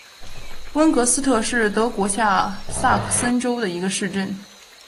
温格斯特是德国下萨克森州的一个市镇。